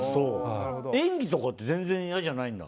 演技とかって全然いやじゃないんだ？